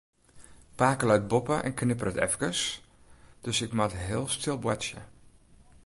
Pake leit boppe en knipperet efkes, dus ik moat heel stil boartsje.